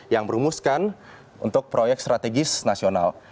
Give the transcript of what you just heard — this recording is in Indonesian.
yang merumuskan untuk proyek strategis nasional